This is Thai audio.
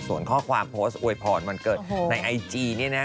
ส่วนข้อความโพสต์อวยพรวันเกิดในไอจีเนี่ยนะ